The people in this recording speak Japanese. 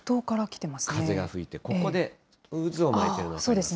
風が吹いて、ここで渦を巻いているのが分かります。